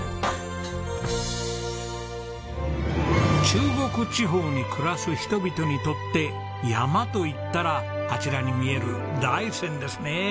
中国地方に暮らす人々にとって山といったらあちらに見える大山ですね。